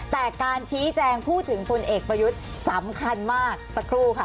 แต่การชี้แจงพูดถึงพลเอกประยุทธ์สำคัญมากสักครู่ค่ะ